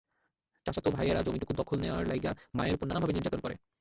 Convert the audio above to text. চাচাতো ভাইয়েরা জমিটুকু দখল নেওয়ার লাইগা মায়ের ওপর নানাভাবে নির্যাতন করে।